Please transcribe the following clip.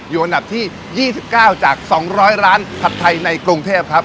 อยู่อันดับที่ยี่สิบเก้าจากสองร้อยร้านผัดไทยในกรุงเทพฯครับ